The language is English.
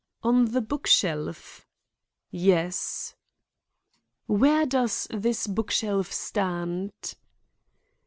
"On the book shelf?" "Yes." "Where does this book shelf stand?"